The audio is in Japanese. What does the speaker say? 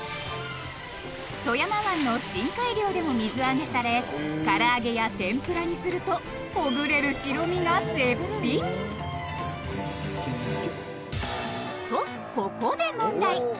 富山湾の深海漁でも水揚げされから揚げや天ぷらにするとほぐれる白身が絶品！とここで問題！